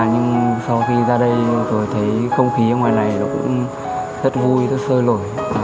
nhưng sau khi ra đây tôi thấy không khí ở ngoài này cũng rất vui rất sơ lỗi